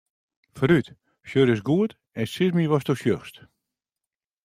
Foarút, sjoch ris goed en sis my watsto sjochst.